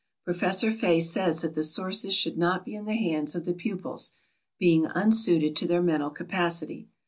Professor Fay says that the sources should not be in the hands of the pupils, "being unsuited to their mental capacity."